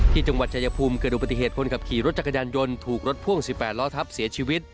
จังหวัดชายภูมิเกิดอุบัติเหตุคนขับขี่รถจักรยานยนต์ถูกรถพ่วง๑๘ล้อทับเสียชีวิต